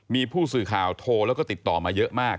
มีผู้สื่อข่าวโทรแล้วก็ติดต่อมาเยอะมาก